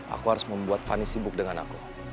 aku harus membuat fanny sibuk dengan aku